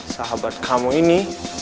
sahabat kamu ini